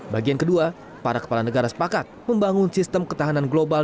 bagian kedua para kepala negara sepakat membangun sistem ketahanan global